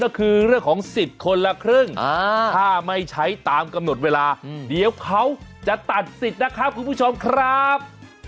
ก็คือเรื่องของสิทธิ์คนละครึ่งถ้าไม่ใช้ตามกำหนดเวลาเดี๋ยวเขาจะตัดสิทธิ์นะครับคุณผู้ชมครับ